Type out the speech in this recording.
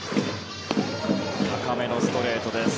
高めのストレートです。